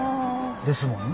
ですもんね。